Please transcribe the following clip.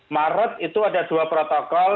maret itu ada dua protokol